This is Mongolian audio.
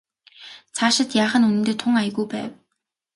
Цаашид яах нь үнэндээ тун аягүй байв.